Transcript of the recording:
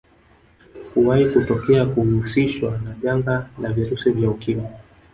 Kuwahi kutokea kuhusishwa na janga la virusi vya Ukimwi